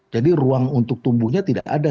jadi ruang untuk tumbuhnya tidak ada